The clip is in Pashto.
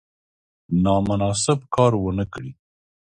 نامناسب کار ونه کړي.